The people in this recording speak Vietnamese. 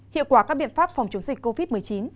hiệu quả các biện pháp phòng chống dịch covid một mươi chín